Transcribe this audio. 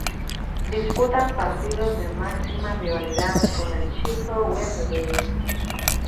Disputan partidos de máxima rivalidad con el Sheffield Wednesday.